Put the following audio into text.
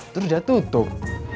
terus dia tutup